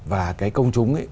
và cái công chúng